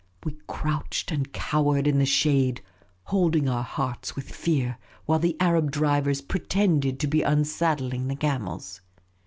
We crouched and cowered in the shade, holding our hearts with fear, while the Arab drivers pretended to be unsaddling the camels.